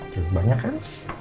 jangan banyak kan